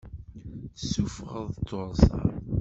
Tessuffɣeḍ tursaḍ.